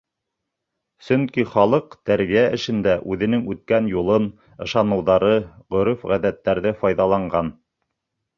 Сөнки халыҡ тәрбиә эшендә үҙенең үткән юлын, ышаныуҙары, ғөрөф-ғәҙәттәрҙе файҙаланған.